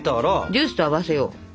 ジュースと合わせよう。